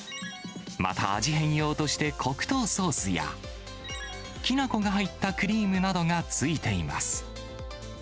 また味変用として黒糖ソースや、きな粉が入ったクリームなどがついています。